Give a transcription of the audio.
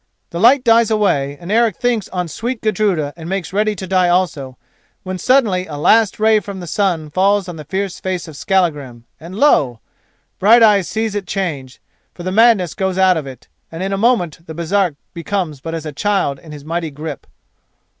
The light dies away, and Eric thinks on sweet Gudruda and makes ready to die also, when suddenly a last ray from the sun falls on the fierce face of Skallagrim, and lo! Brighteyes sees it change, for the madness goes out of it, and in a moment the Baresark becomes but as a child in his mighty grip.